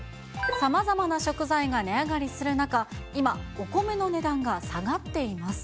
さまざまな食材が値上がりする中、今、お米の値段が下がっています。